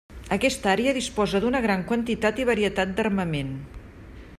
Aquesta àrea disposa d'una gran quantitat i varietat d'armament.